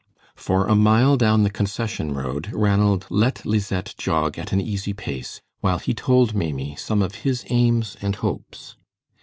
For a mile down the concession road Ranald let Lisette jog at an easy pace while he told Maimie some of his aims and hopes.